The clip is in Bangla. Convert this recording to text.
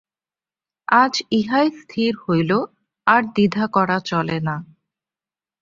আজ ইহাই স্থির হইল, আর দ্বিধা করা চলে না।